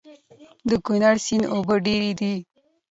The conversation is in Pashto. د کونړ سيند اوبه ډېرې دي